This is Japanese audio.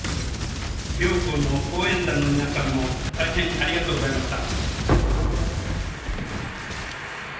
両校の応援団の皆さんも大変ありがとうございました。